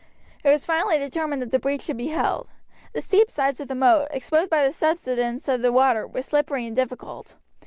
It was finally determined that the breach should be held. The steep sides of the moat, exposed by the subsidence of the water, were slippery and difficult.